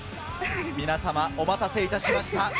皆様、お待たせいたしました。